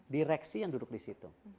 direksi yang duduk di situ